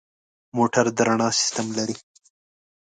موټر د رڼا سیستم لري.